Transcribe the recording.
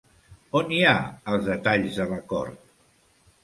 On hi ha els detalls de l'acord?